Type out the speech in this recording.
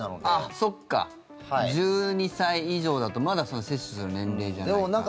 そっか、１２歳以上だとまだ接種する年齢じゃないか。